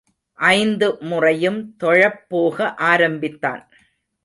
ஐந்து முறையும் தொழப் போக ஆரம்பித்தான்.